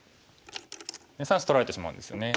で３子取られてしまうんですよね。